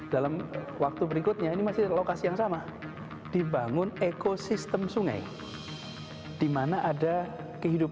ini tahun dua ribu delapan ini tahun dua ribu dua belas inilah yang disebut dengan normalisasi dibangun beton air dialirkan secepat mungkin sampai ke laut